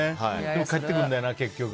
でも返ってくるんだよな。